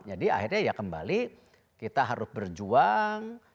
jadi akhirnya ya kembali kita harus berjuang